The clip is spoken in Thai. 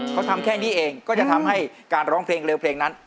เขาทำแค่นี้เองก็จะทำให้การร้องเพลงเร็วเพลงนั้น